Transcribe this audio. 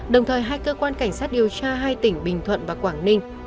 đồng thời hai cơ quan cảnh sát điều tra hai tỉnh bình thuận và quảng ninh